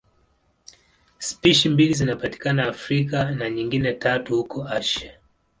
Spishi mbili zinapatikana Afrika na nyingine tatu huko Asia.